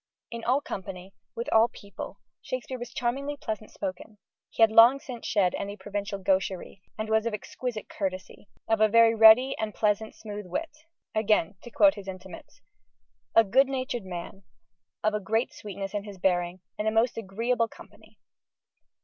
In all company, with all people, Shakespeare was charmingly pleasant spoken. He had long since shed any provincial gaucherie, and was of an exquisite courtesy, "of a very ready and pleasant smooth wit," again to quote his intimates, "a good natured man, of a great sweetness in his bearing, and a most agreeable company."